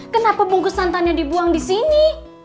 kenapa bungkus santannya dibuang disini